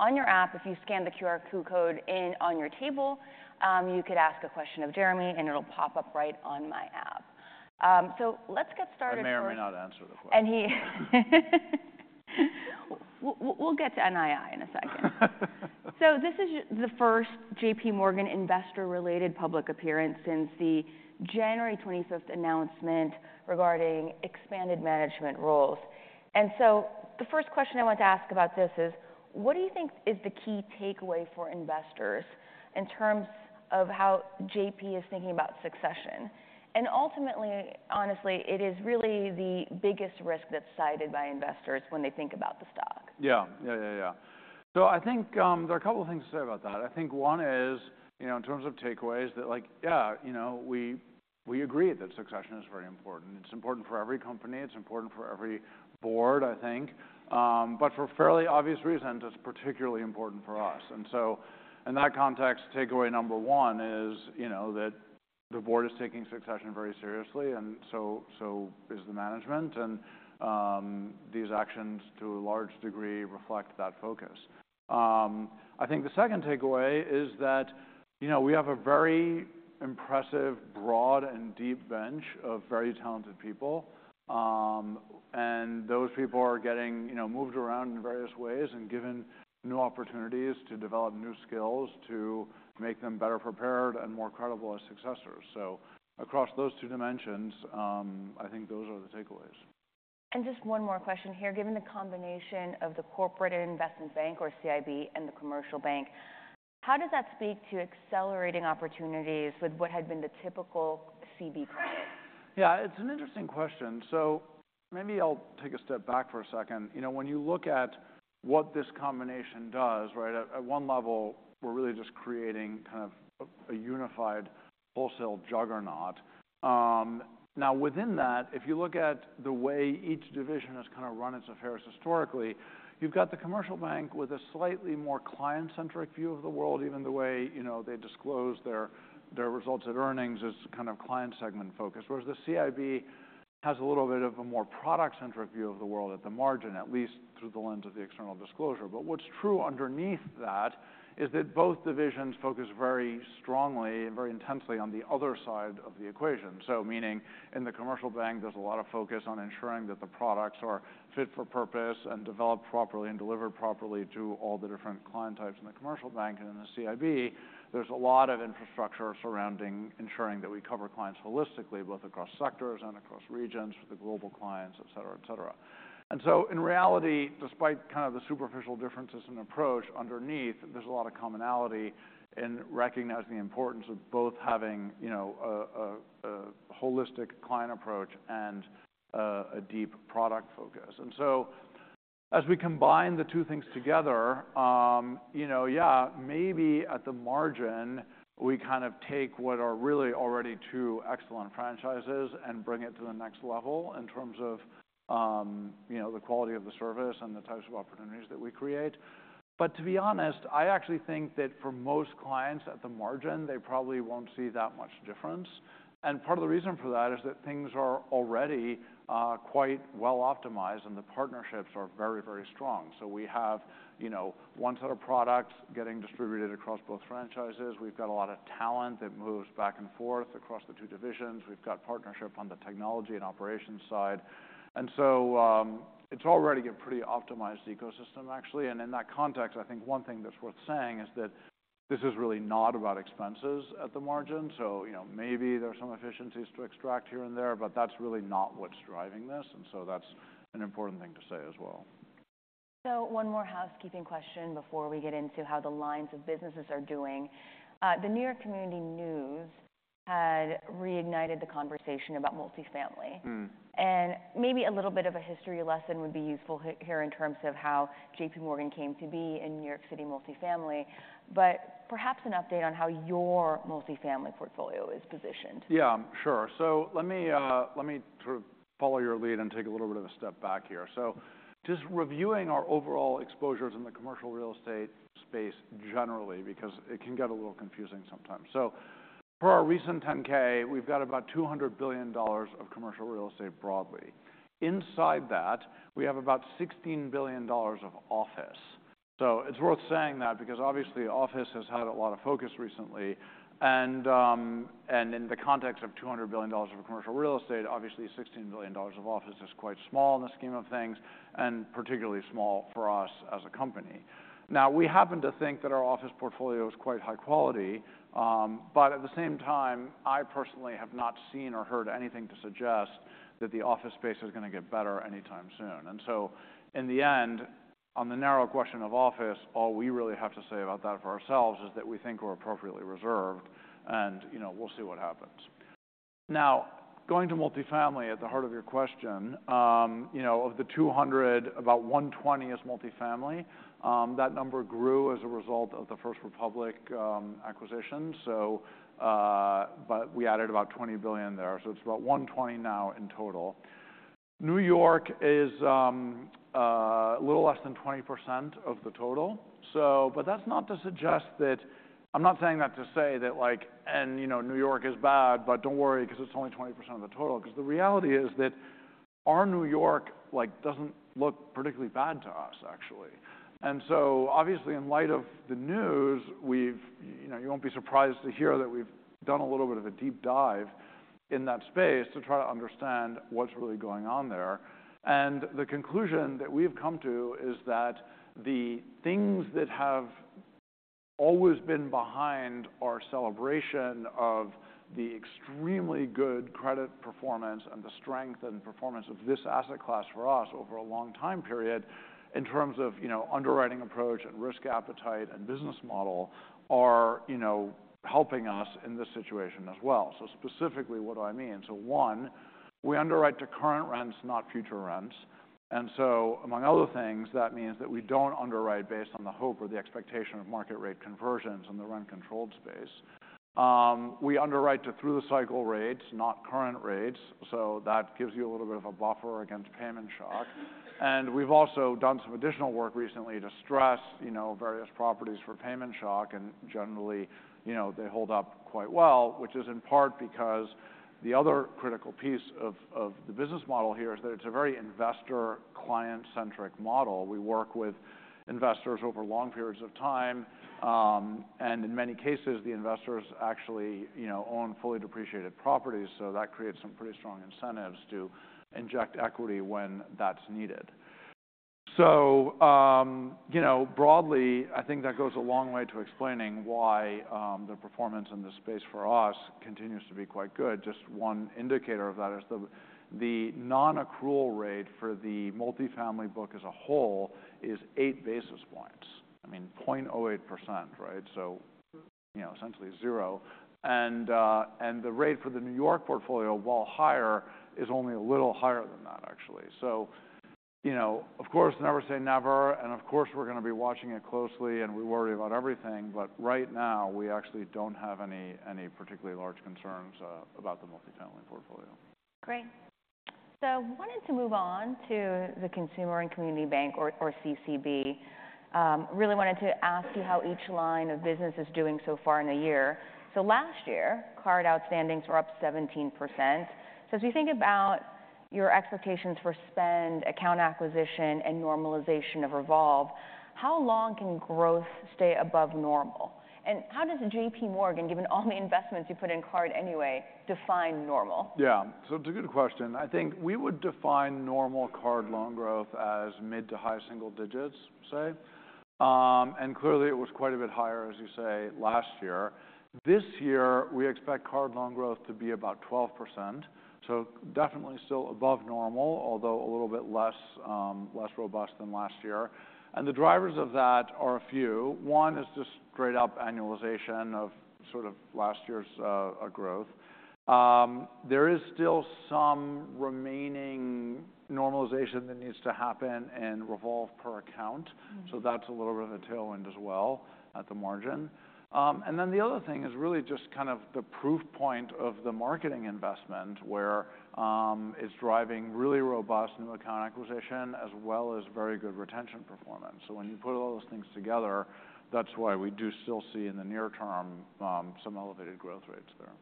On your app, if you scan the QR code in on your table, you could ask a question of Jeremy and it'll pop up right on my app. So let's get started for. I may or may not answer the question. We'll get to NII in a second. So this is the first J.P. Morgan investor-related public appearance since the January 25th announcement regarding expanded management roles. And so the first question I want to ask about this is, what do you think is the key takeaway for investors in terms of how J.P. is thinking about succession? And ultimately, honestly, it is really the biggest risk that's cited by investors when they think about the stock. Yeah. Yeah, yeah, yeah. So I think, there are a couple of things to say about that. I think one is, you know, in terms of takeaways that, like, yeah, you know, we, we agree that succession is very important. It's important for every company. It's important for every board, I think. But for fairly obvious reasons, it's particularly important for us. And so in that context, takeaway number one is, you know, that the board is taking succession very seriously, and so, so is the management. And these actions to a large degree reflect that focus. I think the second takeaway is that, you know, we have a very impressive, broad, and deep bench of very talented people. And those people are getting, you know, moved around in various ways and given new opportunities to develop new skills to make them better prepared and more credible as successors. Across those two dimensions, I think those are the takeaways. Just one more question here. Given the combination of the corporate and investment bank, or CIB, and the commercial bank, how does that speak to accelerating opportunities with what had been the typical CB credit? Yeah. It's an interesting question. So maybe I'll take a step back for a second. You know, when you look at what this combination does, right, at one level, we're really just creating kind of a unified wholesale juggernaut. Now within that, if you look at the way each division has kind of run its affairs historically, you've got the commercial bank with a slightly more client-centric view of the world, even the way, you know, they disclose their results at earnings is kind of client-segment focused. Whereas the CIB has a little bit of a more product-centric view of the world at the margin, at least through the lens of the external disclosure. But what's true underneath that is that both divisions focus very strongly and very intensely on the other side of the equation. So meaning in the commercial bank, there's a lot of focus on ensuring that the products are fit for purpose and developed properly and delivered properly to all the different client types in the commercial bank and in the CIB. There's a lot of infrastructure surrounding ensuring that we cover clients holistically, both across sectors and across regions for the global clients, etc., etc. And so in reality, despite kind of the superficial differences in approach underneath, there's a lot of commonality in recognizing the importance of both having, you know, a holistic client approach and a deep product focus. And so as we combine the two things together, you know, yeah, maybe at the margin we kind of take what are really already two excellent franchises and bring it to the next level in terms of, you know, the quality of the service and the types of opportunities that we create. But to be honest, I actually think that for most clients at the margin, they probably won't see that much difference. And part of the reason for that is that things are already quite well optimized and the partnerships are very, very strong. So we have, you know, one set of products getting distributed across both franchises. We've got a lot of talent that moves back and forth across the two divisions. We've got partnership on the technology and operations side. And so, it's already a pretty optimized ecosystem, actually. In that context, I think one thing that's worth saying is that this is really not about expenses at the margin. So, you know, maybe there are some efficiencies to extract here and there, but that's really not what's driving this. So that's an important thing to say as well. One more housekeeping question before we get into how the lines of businesses are doing. The New York Community Bank news had reignited the conversation about multifamily. Maybe a little bit of a history lesson would be useful here in terms of how J.P. Morgan came to be in New York City multifamily. Perhaps an update on how your multifamily portfolio is positioned. Yeah. Sure. So let me, let me sort of follow your lead and take a little bit of a step back here. So just reviewing our overall exposures in the commercial real estate space generally, because it can get a little confusing sometimes. So for our recent 10-K, we've got about $200 billion of commercial real estate broadly. Inside that, we have about $16 billion of office. So it's worth saying that because obviously office has had a lot of focus recently. And, and in the context of $200 billion of commercial real estate, obviously $16 billion of office is quite small in the scheme of things and particularly small for us as a company. Now we happen to think that our office portfolio is quite high quality. But at the same time, I personally have not seen or heard anything to suggest that the office space is going to get better anytime soon. And so in the end, on the narrow question of office, all we really have to say about that for ourselves is that we think we're appropriately reserved and, you know, we'll see what happens. Now going to multifamily at the heart of your question, you know, of the $200 billion, about $120 billion is multifamily. That number grew as a result of the First Republic acquisition. So, but we added about $20 billion there. So it's about $120 billion now in total. New York is a little less than 20% of the total. So but that's not to suggest that I'm not saying that to say that, like, and, you know, New York is bad, but don't worry because it's only 20% of the total. Because the reality is that our New York, like, doesn't look particularly bad to us, actually. And so obviously in light of the news, we've, you know, you won't be surprised to hear that we've done a little bit of a deep dive in that space to try to understand what's really going on there. And the conclusion that we've come to is that the things that have always been behind our celebration of the extremely good credit performance and the strength and performance of this asset class for us over a long time period in terms of, you know, underwriting approach and risk appetite and business model are, you know, helping us in this situation as well. So specifically what do I mean? So one, we underwrite to current rents, not future rents. And so among other things, that means that we don't underwrite based on the hope or the expectation of market rate conversions in the rent-controlled space. We underwrite to through-the-cycle rates, not current rates. So that gives you a little bit of a buffer against payment shock. And we've also done some additional work recently to stress, you know, various properties for payment shock. And generally, you know, they hold up quite well, which is in part because the other critical piece of, of the business model here is that it's a very investor-client-centric model. We work with investors over long periods of time. And in many cases, the investors actually, you know, own fully depreciated properties. So that creates some pretty strong incentives to inject equity when that's needed. So, you know, broadly, I think that goes a long way to explaining why the performance in this space for us continues to be quite good. Just one indicator of that is the non-accrual rate for the multifamily book as a whole is eight basis points. I mean, 0.08%, right? So, you know, essentially zero. And the rate for the New York portfolio, while higher, is only a little higher than that, actually. So, you know, of course, never say never. And of course, we're going to be watching it closely and we worry about everything. But right now, we actually don't have any particularly large concerns about the multifamily portfolio. Great. So I wanted to move on to the Consumer and Community Bank, or, or CCB. Really wanted to ask you how each line of business is doing so far in the year. So last year, Card outstandings were up 17%. So as we think about your expectations for spend, account acquisition, and normalization of revolve, how long can growth stay above normal? And how does J.P. Morgan, given all the investments you put in Card anyway, define normal? Yeah. So it's a good question. I think we would define normal Card loan growth as mid to high single digits, say. And clearly it was quite a bit higher, as you say, last year. This year, we expect Card loan growth to be about 12%. So definitely still above normal, although a little bit less, less robust than last year. And the drivers of that are a few. One is just straight-up annualization of sort of last year's growth. There is still some remaining normalization that needs to happen in revolve per account. So that's a little bit of a tailwind as well at the margin. And then the other thing is really just kind of the proof point of the marketing investment where it's driving really robust new account acquisition as well as very good retention performance. So when you put all those things together, that's why we do still see in the near term, some elevated growth rates there.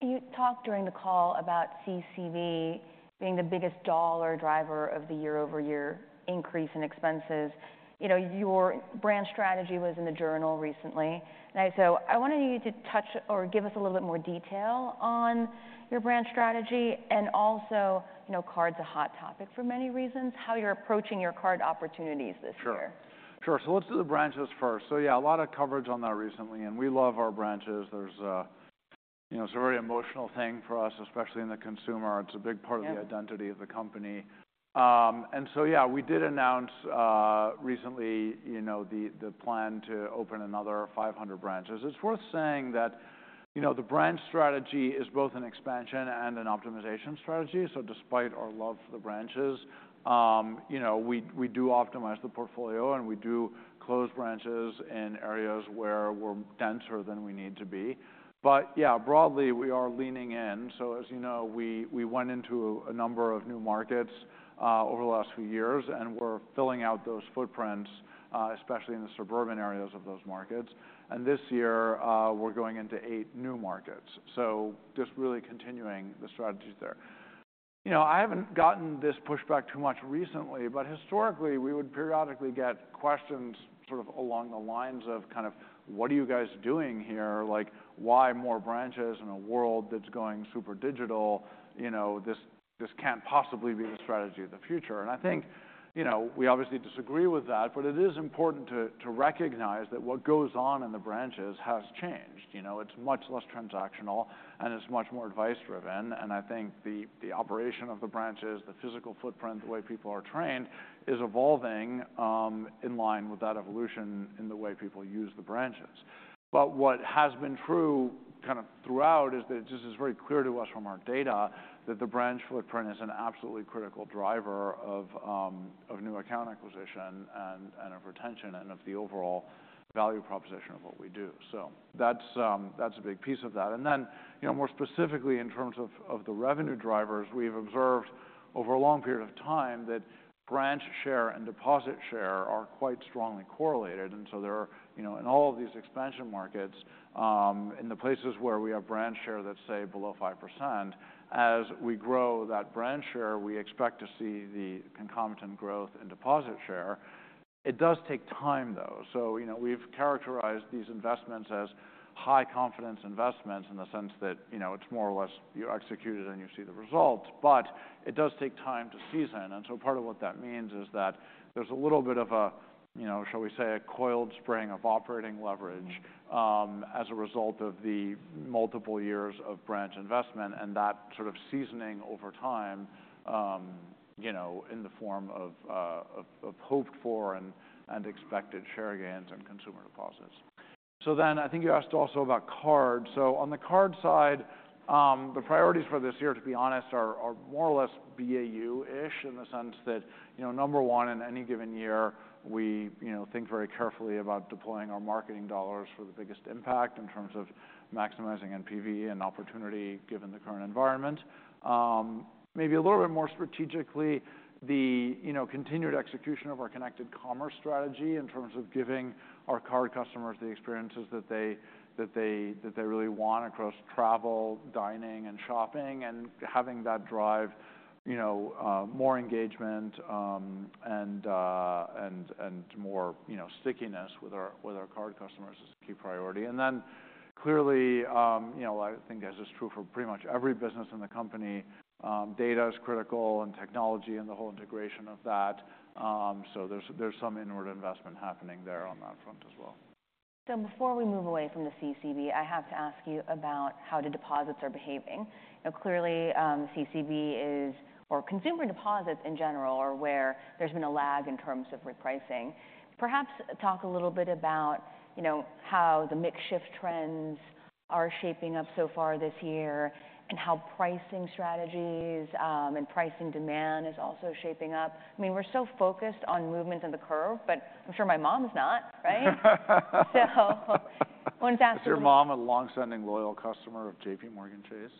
You talked during the call about CCB being the biggest dollar driver of the year-over-year increase in expenses. You know, your branch strategy was in the Journal recently. And I so I wanted you to touch or give us a little bit more detail on your branch strategy. And also, you know, Card's a hot topic for many reasons, how you're approaching your Card opportunities this year. Sure. Sure. So let's do the branches first. So yeah, a lot of coverage on that recently. And we love our branches. There's, you know, it's a very emotional thing for us, especially in the consumer. It's a big part of the identity of the company. And so yeah, we did announce, recently, you know, the, the plan to open another 500 branches. It's worth saying that, you know, the branch strategy is both an expansion and an optimization strategy. So despite our love for the branches, you know, we, we do optimize the portfolio and we do close branches in areas where we're denser than we need to be. But yeah, broadly, we are leaning in. So as you know, we, we went into a number of new markets, over the last few years and we're filling out those footprints, especially in the suburban areas of those markets. And this year, we're going into eight new markets. So just really continuing the strategies there. You know, I haven't gotten this pushback too much recently, but historically, we would periodically get questions sort of along the lines of kind of, what are you guys doing here? Like, why more branches in a world that's going super digital? You know, this, this can't possibly be the strategy of the future. And I think, you know, we obviously disagree with that, but it is important to, to recognize that what goes on in the branches has changed. You know, it's much less transactional and it's much more advice-driven. And I think the, the operation of the branches, the physical footprint, the way people are trained is evolving, in line with that evolution in the way people use the branches. But what has been true kind of throughout is that it just is very clear to us from our data that the branch footprint is an absolutely critical driver of, of new account acquisition and, and of retention and of the overall value proposition of what we do. So that's, that's a big piece of that. And then, you know, more specifically in terms of, of the revenue drivers, we've observed over a long period of time that branch share and deposit share are quite strongly correlated. And so there are, you know, in all of these expansion markets, in the places where we have branch share that's, say, below 5%, as we grow that branch share, we expect to see the concomitant growth in deposit share. It does take time, though. So, you know, we've characterized these investments as high-confidence investments in the sense that, you know, it's more or less you execute it and you see the results. But it does take time to season. And so part of what that means is that there's a little bit of a, you know, shall we say, a coiled spring of operating leverage, as a result of the multiple years of branch investment and that sort of seasoning over time, you know, in the form of hoped-for and expected share gains and consumer deposits. So then I think you asked also about Card. So on the Card side, the priorities for this year, to be honest, are more or less BAU-ish in the sense that, you know, number one, in any given year, we, you know, think very carefully about deploying our marketing dollars for the biggest impact in terms of maximizing NPV and opportunity given the current environment. Maybe a little bit more strategically, the, you know, continued execution of our Connected Commerce strategy in terms of giving our Card customers the experiences that they really want across travel, dining, and shopping and having that drive, you know, more engagement, and more, you know, stickiness with our Card customers is a key priority. And then clearly, you know, I think as is true for pretty much every business in the company, data is critical and technology and the whole integration of that. So there's some inward investment happening there on that front as well. So before we move away from the CCB, I have to ask you about how the deposits are behaving. You know, clearly, CCB is, or consumer deposits in general are where there's been a lag in terms of repricing. Perhaps talk a little bit about, you know, how the mixed-shift trends are shaping up so far this year and how pricing strategies, and pricing demand is also shaping up. I mean, we're so focused on movement and the curve, but I'm sure my mom's not, right? So I wanted to ask you. Is your mom a longstanding loyal customer of J.P. Morgan Chase?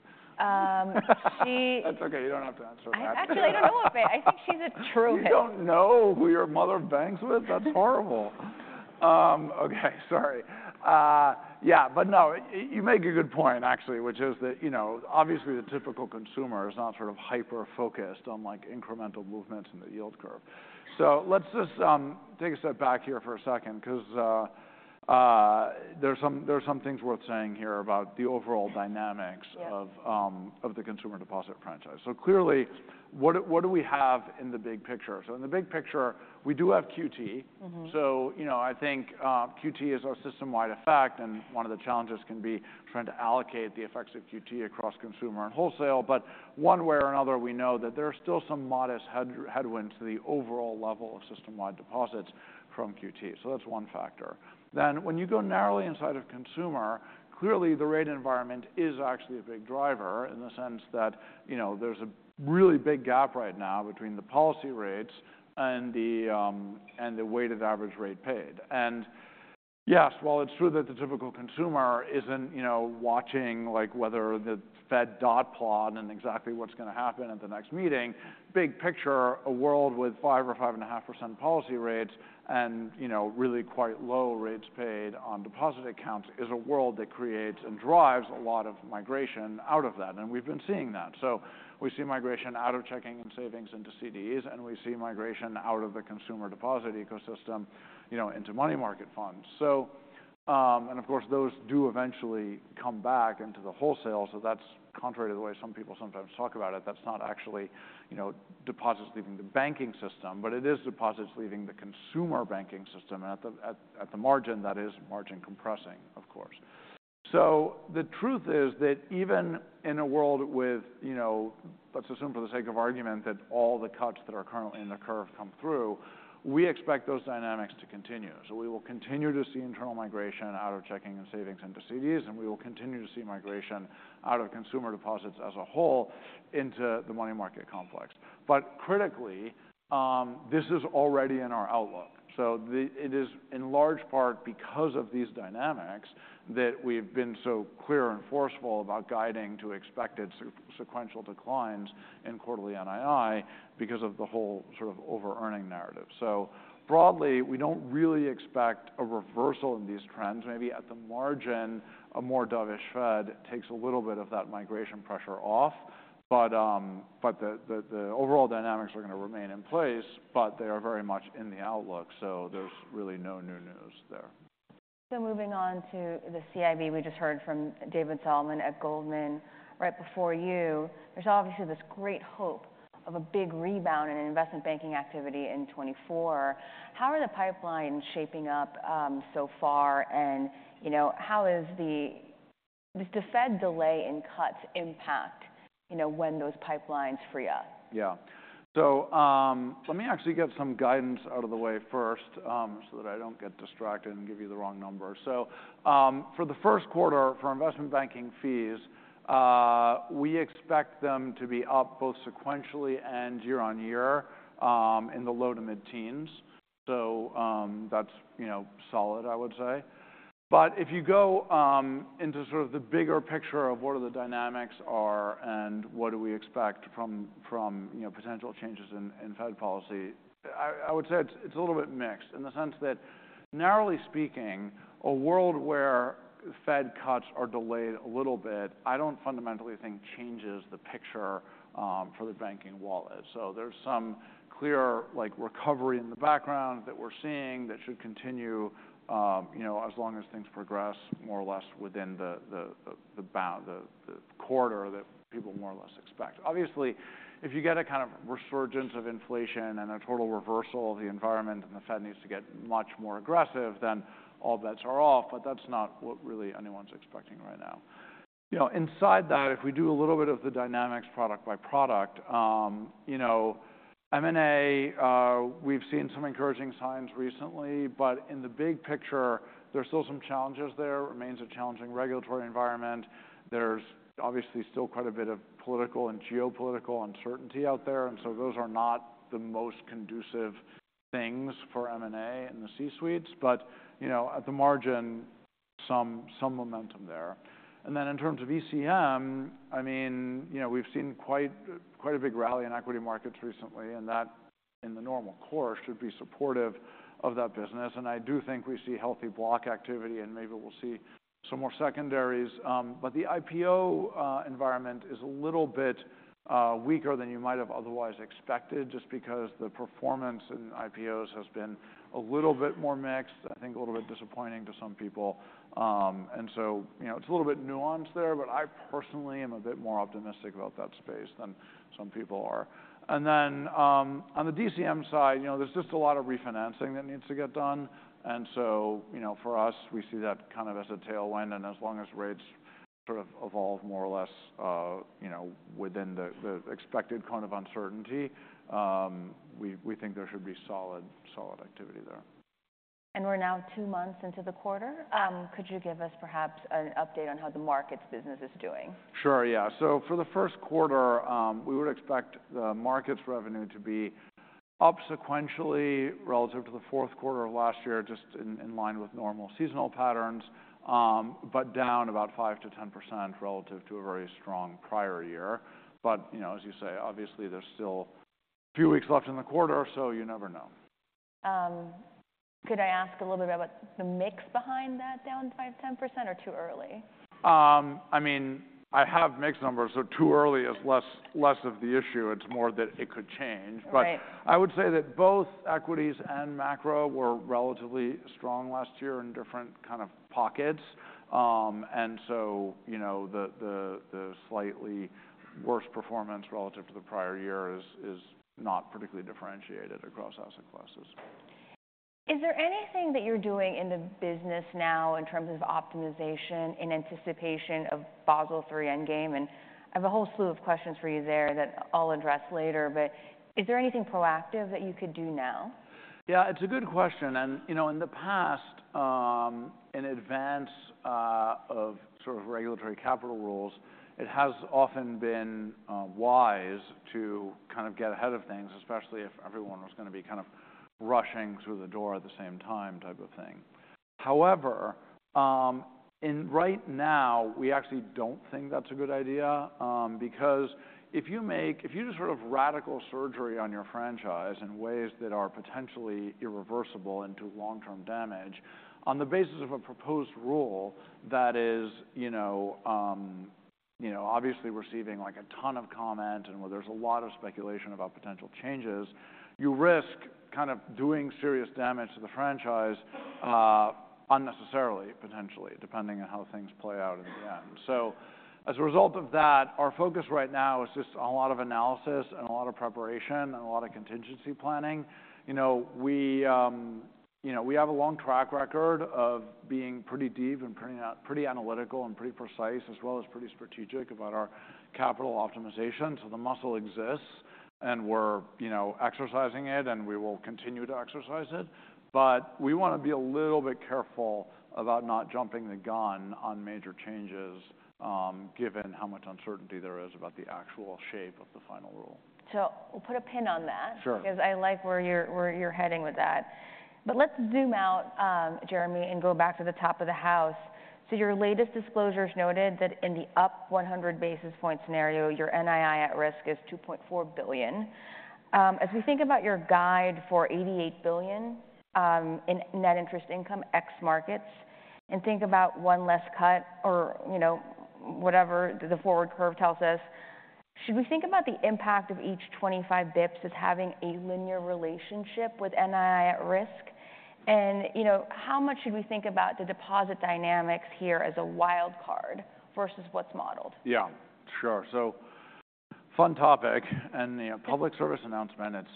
she. That's okay. You don't have to answer that. Actually, I don't know if I think she's a true hit. You don't know who your mother bangs with? That's horrible. Okay. Sorry. Yeah. But no, you make a good point, actually, which is that, you know, obviously the typical consumer is not sort of hyper-focused on, like, incremental movements in the yield curve. So let's just take a step back here for a second because there's some things worth saying here about the overall dynamics of the consumer deposit franchise. So clearly, what do we have in the big picture? So in the big picture, we do have QT. So, you know, I think QT is a system-wide effect. And one of the challenges can be trying to allocate the effects of QT across consumer and wholesale. But one way or another, we know that there are still some modest headwinds to the overall level of system-wide deposits from QT. So that's one factor. Then when you go narrowly inside of consumer, clearly the rate environment is actually a big driver in the sense that, you know, there's a really big gap right now between the policy rates and the, and the weighted average rate paid. And yes, while it's true that the typical consumer isn't, you know, watching, like, whether the Fed dot plot and exactly what's going to happen at the next meeting, big picture, a world with 5%-5.5% policy rates and, you know, really quite low rates paid on deposit accounts is a world that creates and drives a lot of migration out of that. And we've been seeing that. So we see migration out of checking and savings into CDs. And we see migration out of the consumer deposit ecosystem, you know, into money market funds. So, and of course, those do eventually come back into the wholesale. So that's contrary to the way some people sometimes talk about it. That's not actually, you know, deposits leaving the banking system. But it is deposits leaving the consumer banking system. And at the margin, that is margin compressing, of course. So the truth is that even in a world with, you know, let's assume for the sake of argument that all the cuts that are currently in the curve come through, we expect those dynamics to continue. So we will continue to see internal migration out of checking and savings into CDs. And we will continue to see migration out of consumer deposits as a whole into the money market complex. But critically, this is already in our outlook. It is in large part because of these dynamics that we've been so clear and forceful about guiding to expected sequential declines in quarterly NII because of the whole sort of over-earning narrative. So broadly, we don't really expect a reversal in these trends. Maybe at the margin, a more dovish Fed takes a little bit of that migration pressure off. But the overall dynamics are going to remain in place. But they are very much in the outlook. So there's really no new news there. So moving on to the CIB, we just heard from David Solomon at Goldman right before you. There's obviously this great hope of a big rebound in investment banking activity in 2024. How are the pipelines shaping up, so far? And, you know, how is the, does the Fed delay in cuts impact, you know, when those pipelines free up? Yeah. So, let me actually get some guidance out of the way first, so that I don't get distracted and give you the wrong number. So, for the first quarter, for investment banking fees, we expect them to be up both sequentially and year-on-year, in the low to mid-teens. So, that's, you know, solid, I would say. But if you go, into sort of the bigger picture of what are the dynamics are and what do we expect from, you know, potential changes in, in Fed policy, I would say it's a little bit mixed in the sense that narrowly speaking, a world where Fed cuts are delayed a little bit, I don't fundamentally think changes the picture, for the banking wallet. So there's some clear, like, recovery in the background that we're seeing that should continue, you know, as long as things progress more or less within the bounds of the quarter that people more or less expect. Obviously, if you get a kind of resurgence of inflation and a total reversal of the environment and the Fed needs to get much more aggressive, then all bets are off. But that's not what really anyone's expecting right now. You know, inside that, if we do a little bit of the dynamics product by product, you know, M&A, we've seen some encouraging signs recently. But in the big picture, there's still some challenges there. Remains a challenging regulatory environment. There's obviously still quite a bit of political and geopolitical uncertainty out there. And so those are not the most conducive things for M&A in the C-suites. But, you know, at the margin, some momentum there. And then in terms of ECM, I mean, you know, we've seen quite a big rally in equity markets recently. And that, in the normal course, should be supportive of that business. And I do think we see healthy block activity. And maybe we'll see some more secondaries. But the IPO environment is a little bit weaker than you might have otherwise expected just because the performance in IPOs has been a little bit more mixed, I think a little bit disappointing to some people. And so, you know, it's a little bit nuanced there. But I personally am a bit more optimistic about that space than some people are. And then, on the DCM side, you know, there's just a lot of refinancing that needs to get done. And so, you know, for us, we see that kind of as a tailwind. And as long as rates sort of evolve more or less, you know, within the expected cone of uncertainty, we think there should be solid, solid activity there. We're now two months into the quarter. Could you give us perhaps an update on how the Markets business is doing? Sure. Yeah. So for the first quarter, we would expect the market's revenue to be up sequentially relative to the fourth quarter of last year just in, in line with normal seasonal patterns, but down about 5%-10% relative to a very strong prior year. But, you know, as you say, obviously there's still a few weeks left in the quarter. So you never know. Could I ask a little bit about what the mix behind that down 5%-10% or too early? I mean, I have mixed numbers. So too early is less, less of the issue. It's more that it could change. But I would say that both equities and macro were relatively strong last year in different kind of pockets. And so, you know, the slightly worse performance relative to the prior year is not particularly differentiated across asset classes. Is there anything that you're doing in the business now in terms of optimization in anticipation of Basel III endgame? And I have a whole slew of questions for you there that I'll address later. But is there anything proactive that you could do now? Yeah. It's a good question. And, you know, in the past, in advance, of sort of regulatory capital rules, it has often been wise to kind of get ahead of things, especially if everyone was going to be kind of rushing through the door at the same time type of thing. However, right now, we actually don't think that's a good idea, because if you make, if you do sort of radical surgery on your franchise in ways that are potentially irreversible and do long-term damage on the basis of a proposed rule that is, you know, you know, obviously receiving, like, a ton of comment and where there's a lot of speculation about potential changes, you risk kind of doing serious damage to the franchise, unnecessarily, potentially, depending on how things play out in the end. So as a result of that, our focus right now is just a lot of analysis and a lot of preparation and a lot of contingency planning. You know, we, you know, we have a long track record of being pretty deep and pretty analytical and pretty precise as well as pretty strategic about our capital optimization. So the muscle exists. And we're, you know, exercising it. And we will continue to exercise it. But we want to be a little bit careful about not jumping the gun on major changes, given how much uncertainty there is about the actual shape of the final rule. We'll put a pin on that. Sure. Because I like where you're, where you're heading with that. But let's zoom out, Jeremy, and go back to the top of the house. So your latest disclosures noted that in the up 100 basis points scenario, your NII at risk is $2.4 billion. As we think about your guide for $88 billion in net interest income ex-Markets and think about one less cut or, you know, whatever the forward curve tells us, should we think about the impact of each 25 basis points as having a linear relationship with NII at risk? And, you know, how much should we think about the deposit dynamics here as a wild card versus what's modeled? Yeah. Sure. So fun topic. And, you know, public service announcement, it's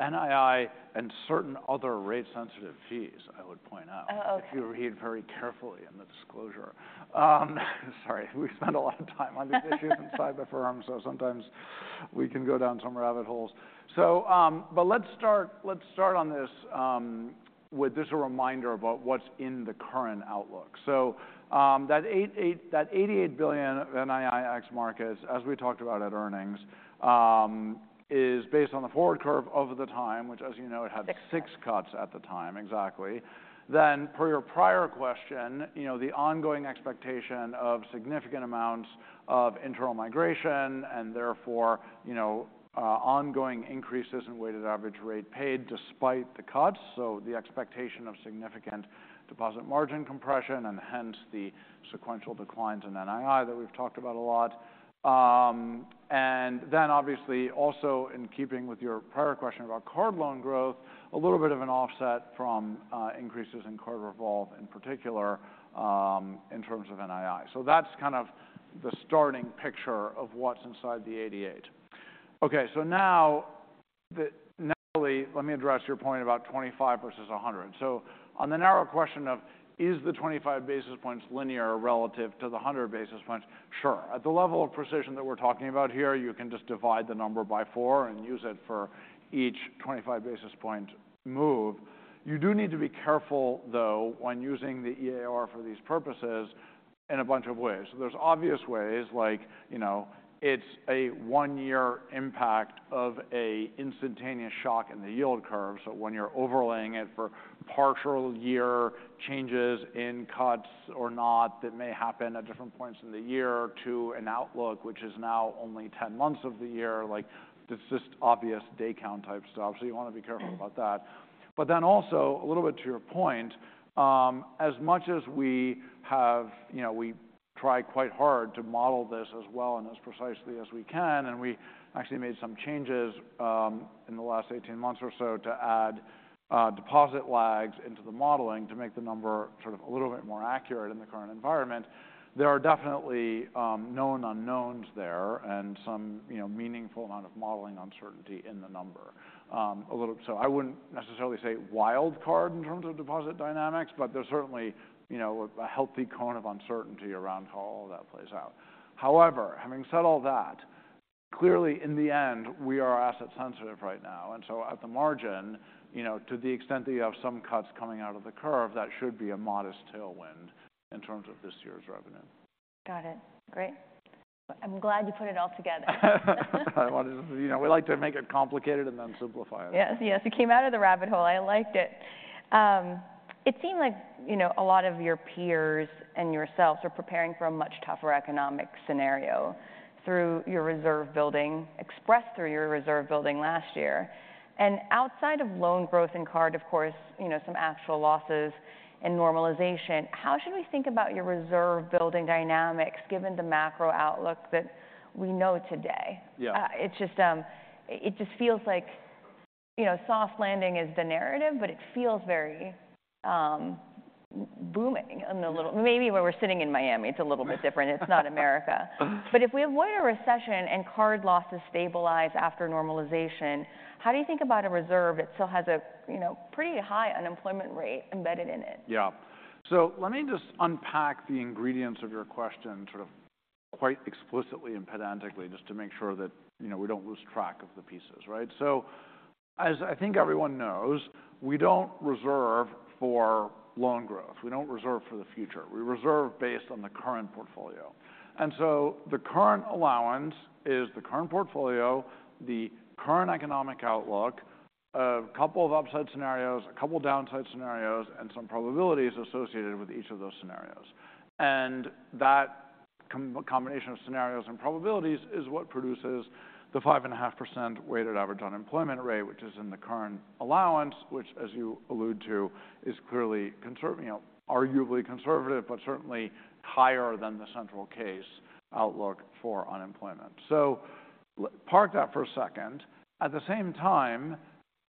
NII and certain other rate-sensitive fees, I would point out, if you read very carefully in the disclosure. Sorry. We spend a lot of time on these issues inside the firm. So sometimes we can go down some rabbit holes. So, but let's start, let's start on this, with just a reminder about what's in the current outlook. So, that $88 billion NII ex-Markets, as we talked about at earnings, is based on the forward curve over the time, which, as you know, it had six cuts at the time. Exactly. Then per your prior question, you know, the ongoing expectation of significant amounts of internal migration and therefore, you know, ongoing increases in weighted average rate paid despite the cuts. So the expectation of significant deposit margin compression and hence the sequential declines in NII that we've talked about a lot. And then obviously also in keeping with your prior question about card loan growth, a little bit of an offset from increases in card revolve in particular, in terms of NII. So that's kind of the starting picture of what's inside the $88. OK. So now, narrowly, let me address your point about 25 versus 100. So on the narrow question of, is the 25 basis points linear relative to the 100 basis points? Sure. At the level of precision that we're talking about here, you can just divide the number by four and use it for each 25 basis point move. You do need to be careful, though, when using the EAR for these purposes in a bunch of ways. So there's obvious ways, like, you know, it's a one year impact of an instantaneous shock in the yield curve. So when you're overlaying it for partial year changes in cuts or not that may happen at different points in the year to an outlook, which is now only 10 months of the year, like, this is just obvious day count type stuff. So you want to be careful about that. But then also a little bit to your point, as much as we have, you know, we try quite hard to model this as well and as precisely as we can. And we actually made some changes in the last 18 months or so to add deposit lags into the modeling to make the number sort of a little bit more accurate in the current environment. There are definitely known unknowns there and some, you know, meaningful amount of modeling uncertainty in the number a little, so I wouldn't necessarily say wild card in terms of deposit dynamics. But there's certainly, you know, a healthy cone of uncertainty around how all of that plays out. However, having said all that, clearly in the end, we are asset-sensitive right now. And so at the margin, you know, to the extent that you have some cuts coming out of the curve, that should be a modest tailwind in terms of this year's revenue. Got it. Great. I'm glad you put it all together. I wanted to, you know, we like to make it complicated and then simplify it. Yes. Yes. You came out of the rabbit hole. I liked it. It seemed like, you know, a lot of your peers and yourselves were preparing for a much tougher economic scenario through your reserve building, expressed through your reserve building last year. And outside of loan growth in card, of course, you know, some actual losses and normalization, how should we think about your reserve building dynamics given the macro outlook that we know today? Yeah. It's just, it just feels like, you know, soft landing is the narrative. But it feels very booming in the little maybe where we're sitting in Miami. It's a little bit different. It's not America. But if we avoid a recession and card losses stabilize after normalization, how do you think about a reserve that still has a, you know, pretty high unemployment rate embedded in it? Yeah. So let me just unpack the ingredients of your question sort of quite explicitly and pedantically just to make sure that, you know, we don't lose track of the pieces, right? So as I think everyone knows, we don't reserve for loan growth. We don't reserve for the future. We reserve based on the current portfolio. And so the current allowance is the current portfolio, the current economic outlook of a couple of upside scenarios, a couple downside scenarios, and some probabilities associated with each of those scenarios. And that combination of scenarios and probabilities is what produces the 5.5% weighted average unemployment rate, which is in the current allowance, which, as you allude to, is clearly, you know, arguably conservative but certainly higher than the central case outlook for unemployment. So park that for a second. At the same time,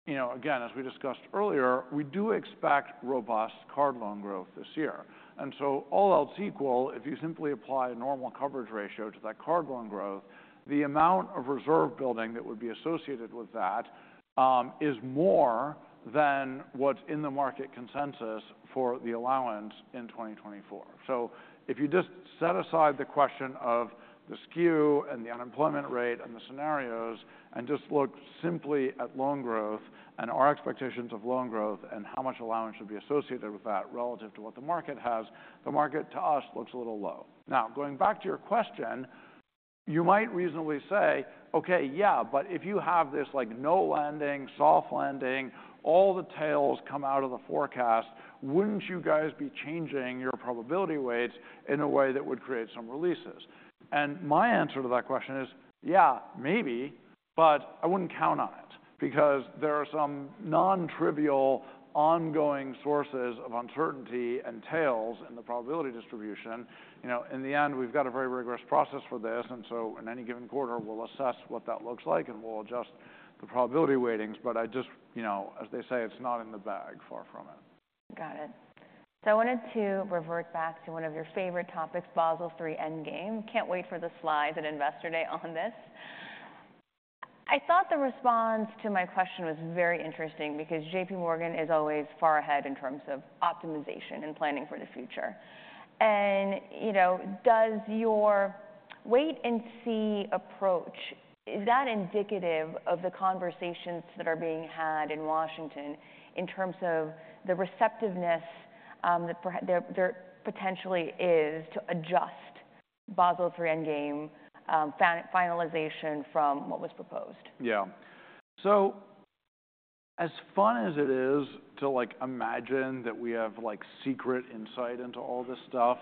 you know, again, as we discussed earlier, we do expect robust card loan growth this year. And so all else equal, if you simply apply a normal coverage ratio to that card loan growth, the amount of reserve building that would be associated with that, is more than what's in the market consensus for the allowance in 2024. So if you just set aside the question of the skew and the unemployment rate and the scenarios and just look simply at loan growth and our expectations of loan growth and how much allowance should be associated with that relative to what the market has, the market to us looks a little low. Now, going back to your question, you might reasonably say, OK, yeah. But if you have this, like, no landing, soft landing, all the tails come out of the forecast, wouldn't you guys be changing your probability weights in a way that would create some releases? And my answer to that question is, yeah, maybe. But I wouldn't count on it because there are some non-trivial ongoing sources of uncertainty and tails in the probability distribution. You know, in the end, we've got a very rigorous process for this. And so in any given quarter, we'll assess what that looks like. And we'll adjust the probability weightings. But I just, you know, as they say, it's not in the bag, far from it. Got it. So I wanted to revert back to one of your favorite topics, Basel III endgame. Can't wait for the slides at Investor Day on this. I thought the response to my question was very interesting because J.P. Morgan is always far ahead in terms of optimization and planning for the future. And, you know, does your wait-and-see approach, is that indicative of the conversations that are being had in Washington in terms of the receptiveness, that there potentially is to adjust Basel III endgame, finalization from what was proposed? Yeah. So as fun as it is to, like, imagine that we have, like, secret insight into all this stuff,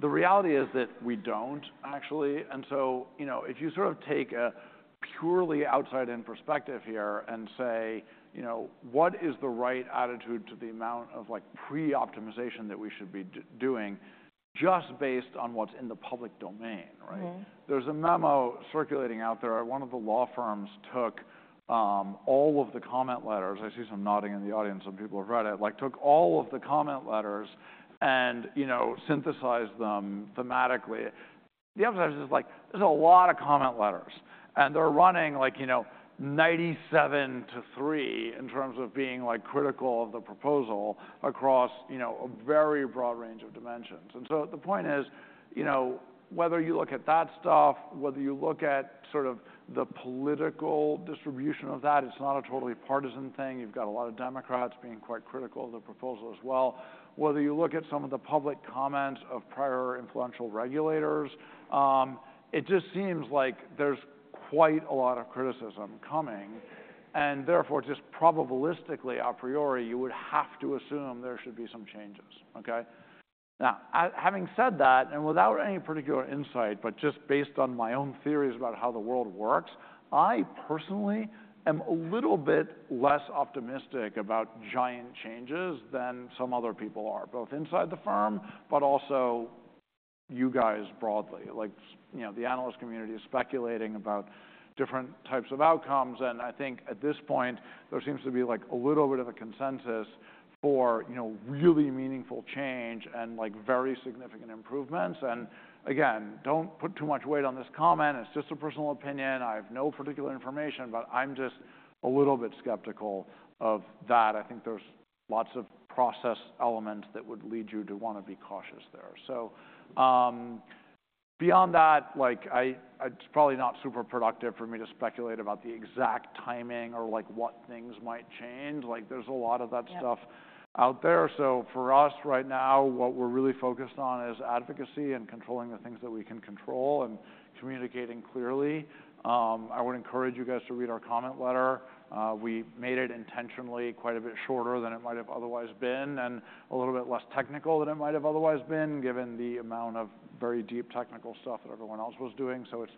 the reality is that we don't, actually. And so, you know, if you sort of take a purely outside-in perspective here and say, you know, what is the right attitude to the amount of, like, pre-optimization that we should be doing just based on what's in the public domain, right? There's a memo circulating out there where one of the law firms took, all of the comment letters I see some nodding in the audience. Some people have read it. Like, took all of the comment letters and, you know, synthesized them thematically. The other side is just, like, there's a lot of comment letters. They're running, like, you know, 97-3 in terms of being, like, critical of the proposal across, you know, a very broad range of dimensions. So the point is, you know, whether you look at that stuff, whether you look at sort of the political distribution of that, it's not a totally partisan thing. You've got a lot of Democrats being quite critical of the proposal as well. Whether you look at some of the public comments of prior influential regulators, it just seems like there's quite a lot of criticism coming. And therefore, just probabilistically a priori, you would have to assume there should be some changes, OK? Now, having said that and without any particular insight but just based on my own theories about how the world works, I personally am a little bit less optimistic about giant changes than some other people are, both inside the firm but also you guys broadly. Like, you know, the analyst community is speculating about different types of outcomes. And I think at this point, there seems to be, like, a little bit of a consensus for, you know, really meaningful change and, like, very significant improvements. And again, don't put too much weight on this comment. It's just a personal opinion. I have no particular information. But I'm just a little bit skeptical of that. I think there's lots of process elements that would lead you to want to be cautious there. So, beyond that, like, it's probably not super productive for me to speculate about the exact timing or, like, what things might change. Like, there's a lot of that stuff out there. So for us right now, what we're really focused on is advocacy and controlling the things that we can control and communicating clearly. I would encourage you guys to read our comment letter. We made it intentionally quite a bit shorter than it might have otherwise been and a little bit less technical than it might have otherwise been given the amount of very deep technical stuff that everyone else was doing. So it's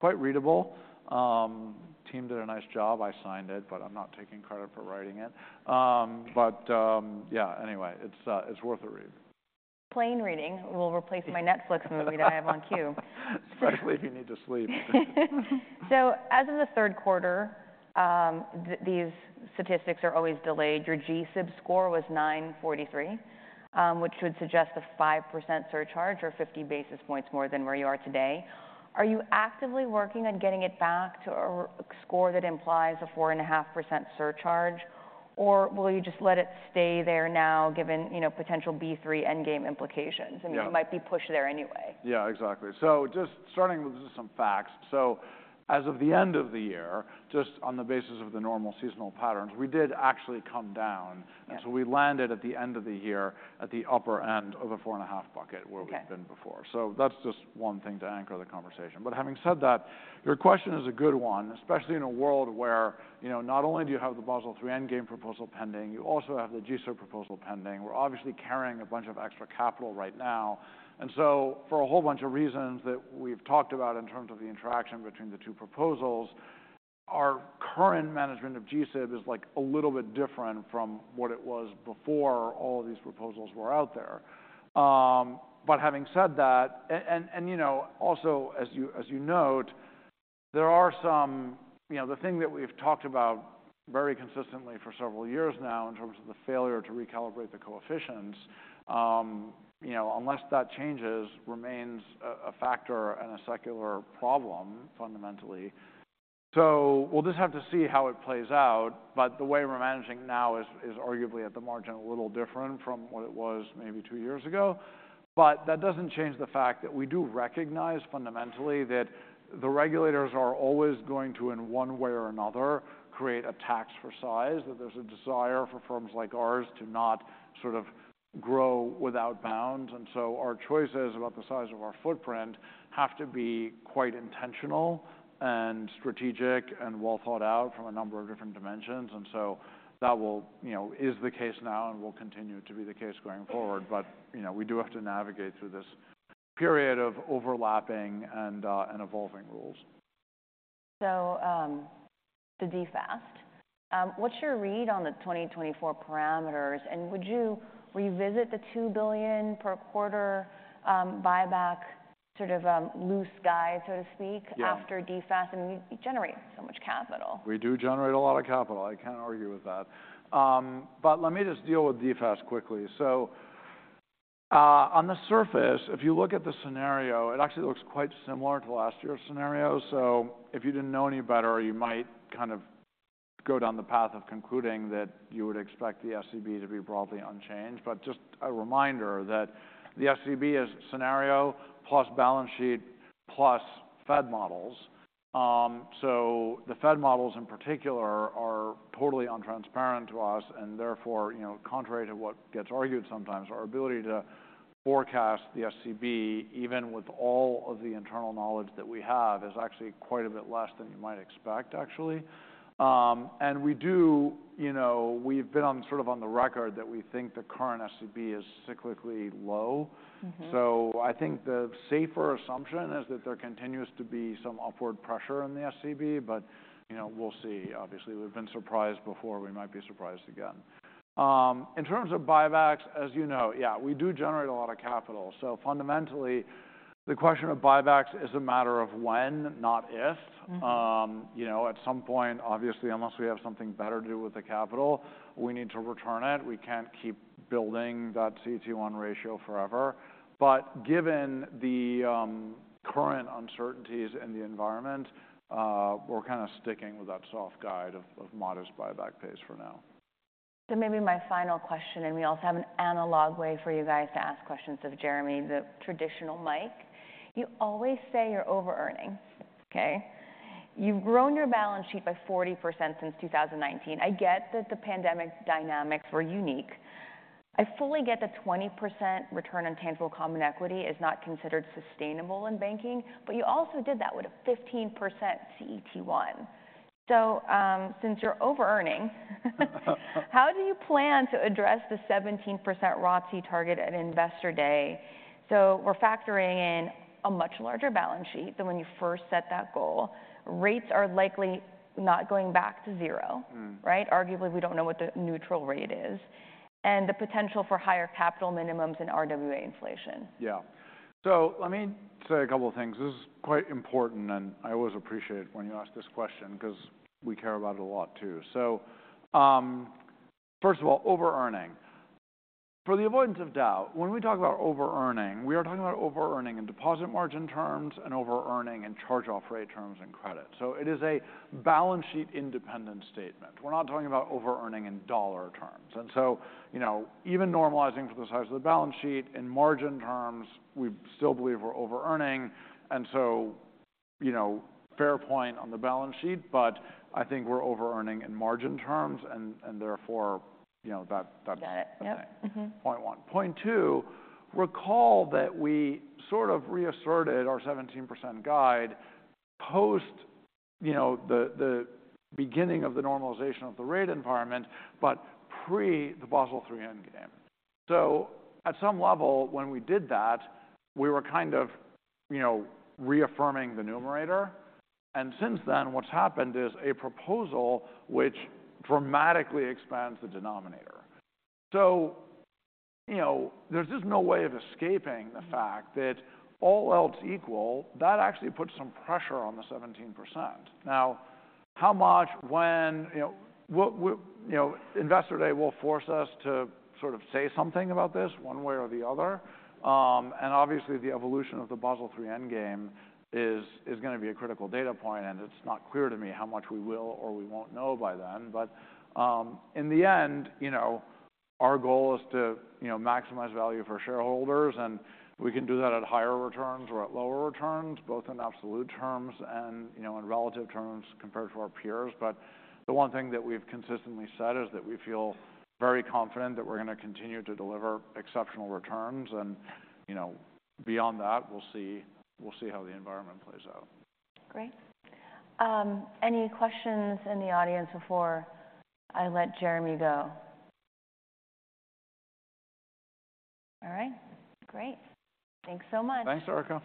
quite readable. The team did a nice job. I signed it. But I'm not taking credit for writing it. But, yeah. Anyway, it's worth a read. Plain reading will replace my Netflix movie that I have on cue. Especially if you need to sleep. So as of the third quarter, these statistics are always delayed. Your GSIB score was 943, which would suggest a 5% surcharge or 50 basis points more than where you are today. Are you actively working on getting it back to a score that implies a 4.5% surcharge? Or will you just let it stay there now given, you know, potential B3 endgame implications? I mean, you might be pushed there anyway. Yeah. Exactly. So just starting with just some facts. So as of the end of the year, just on the basis of the normal seasonal patterns, we did actually come down. And so we landed at the end of the year at the upper end of a 4.5 bucket where we've been before. So that's just one thing to anchor the conversation. But having said that, your question is a good one, especially in a world where, you know, not only do you have the Basel III endgame proposal pending, you also have the GSIB proposal pending. We're obviously carrying a bunch of extra capital right now. And so for a whole bunch of reasons that we've talked about in terms of the interaction between the two proposals, our current management of GSIB is, like, a little bit different from what it was before all of these proposals were out there. But having said that and, you know, also, as you note, there are some, you know, the thing that we've talked about very consistently for several years now in terms of the failure to recalibrate the coefficients, you know, unless that changes, remains a factor and a secular problem fundamentally. So we'll just have to see how it plays out. But the way we're managing now is, is arguably at the margin a little different from what it was maybe two years ago. But that doesn't change the fact that we do recognize fundamentally that the regulators are always going to, in one way or another, create a tax for size, that there's a desire for firms like ours to not sort of grow without bounds. And so our choices about the size of our footprint have to be quite intentional and strategic and well thought out from a number of different dimensions. And so that will, you know, is the case now. And will continue to be the case going forward. But, you know, we do have to navigate through this period of overlapping and evolving rules. The DFAST, what's your read on the 2024 parameters? Would you revisit the $2 billion per quarter buyback sort of loose guide, so to speak, after DFAST? I mean, you generate so much capital. We do generate a lot of capital. I can't argue with that. But let me just deal with DFAST quickly. So, on the surface, if you look at the scenario, it actually looks quite similar to last year's scenario. So if you didn't know any better, you might kind of go down the path of concluding that you would expect the SCB to be broadly unchanged. But just a reminder that the SCB is scenario plus balance sheet plus Fed models. So the Fed models in particular are totally untransparent to us. And therefore, you know, contrary to what gets argued sometimes, our ability to forecast the SCB, even with all of the internal knowledge that we have, is actually quite a bit less than you might expect, actually. We do, you know, we've been on sort of on the record that we think the current SCB is cyclically low. So I think the safer assumption is that there continues to be some upward pressure in the SCB. But, you know, we'll see. Obviously, we've been surprised before. We might be surprised again. In terms of buybacks, as you know, yeah, we do generate a lot of capital. So fundamentally, the question of buybacks is a matter of when, not if. You know, at some point, obviously, unless we have something better to do with the capital, we need to return it. We can't keep building that CET1 ratio forever. But given the current uncertainties in the environment, we're kind of sticking with that soft guide of modest buyback pace for now. So maybe my final question. We also have an analog way for you guys to ask questions of Jeremy, the traditional mic. You always say you're over-earning, OK? You've grown your balance sheet by 40% since 2019. I get that the pandemic dynamics were unique. I fully get that 20% return on tangible common equity is not considered sustainable in banking. But you also did that with a 15% CET1. So, since you're over-earning, how do you plan to address the 17% ROTCE target at Investor Day? We're factoring in a much larger balance sheet than when you first set that goal. Rates are likely not going back to zero, right? Arguably, we don't know what the neutral rate is and the potential for higher capital minimums and RWA inflation. Yeah. So let me say a couple of things. This is quite important. And I always appreciate it when you ask this question because we care about it a lot, too. So, first of all, over-earning. For the avoidance of doubt, when we talk about over-earning, we are talking about over-earning in deposit margin terms and over-earning in charge-off rate terms and credit. So it is a balance sheet independent statement. We're not talking about over-earning in dollar terms. And so, you know, even normalizing for the size of the balance sheet, in margin terms, we still believe we're over-earning. And so, you know, fair point on the balance sheet. But I think we're over-earning in margin terms. And therefore, you know, that. Got it. Yeah. Point one. Point two, recall that we sort of reasserted our 17% guide post, you know, the beginning of the normalization of the rate environment but pre the Basel III endgame. So at some level, when we did that, we were kind of, you know, reaffirming the numerator. And since then, what's happened is a proposal which dramatically expands the denominator. So, you know, there's just no way of escaping the fact that all else equal, that actually puts some pressure on the 17%. Now, how much, when, you know, what, you know, Investor Day will force us to sort of say something about this one way or the other. And obviously, the evolution of the Basel III endgame is, is going to be a critical data point. And it's not clear to me how much we will or we won't know by then. But, in the end, you know, our goal is to, you know, maximize value for shareholders. And we can do that at higher returns or at lower returns, both in absolute terms and, you know, in relative terms compared to our peers. But the one thing that we've consistently said is that we feel very confident that we're going to continue to deliver exceptional returns. And, you know, beyond that, we'll see we'll see how the environment plays out. Great. Any questions in the audience before I let Jeremy go? All right. Great. Thanks so much. Thanks, Erika.